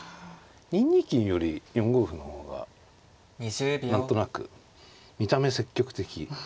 ２二金より４五歩の方が何となく見た目積極的。